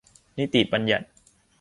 นิติบัญญัติ